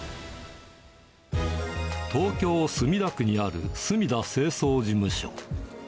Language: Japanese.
東京・墨田区にあるすみだ清掃事務所。